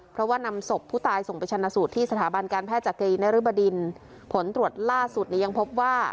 เพราะว่านำศพผู้ตายส่งไปชนะสูตรที่สถาบันการแพทย์จักรีนริบดินผลตรวจล่าสุดเนี่ยยังพบว่า